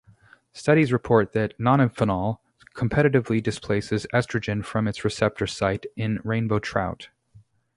Studies report that nonylphenol competitively displaces estrogen from its receptor site in rainbow trout.